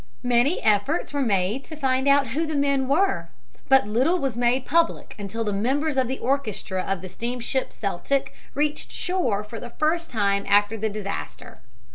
Many efforts were made to find out who the men were, but little was made public until the members of the orchestra of the steamship Celtic reached shore for the first time after the disaster.